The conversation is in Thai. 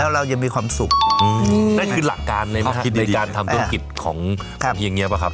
แล้วเราจะมีความสุขอืมได้ขึ้นหลักการเลยไหมครับคิดดีในการทำต้นกิจของอย่างเงี้ยเปล่าครับ